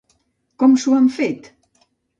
Com s’ho han fet?